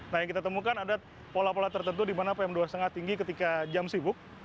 nah yang kita temukan ada pola pola tertentu di mana pm dua lima tinggi ketika jam sibuk